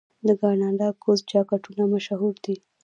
د کاناډا ګوز جاکټونه مشهور دي.